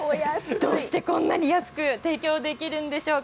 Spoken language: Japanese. どうしてこんなに安く提供できるんでしょうか。